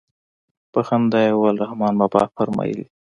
په خندا يې وويل رحمان بابا فرمايي.